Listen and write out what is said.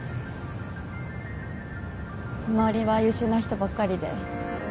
周りは優秀な人ばっかりで